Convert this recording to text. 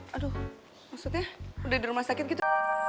aduh maksudnya udah di rumah sakit gitu